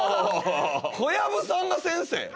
小籔さんが先生！？